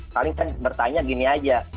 kali ini kan bertanya gini aja